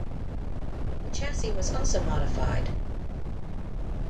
The chassis was also modified.